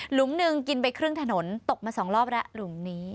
หนึ่งกินไปครึ่งถนนตกมา๒รอบแล้วหลุมนี้